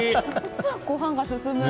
ご飯が進む。